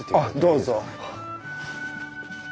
どうぞ。